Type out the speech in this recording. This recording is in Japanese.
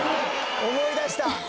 思い出した！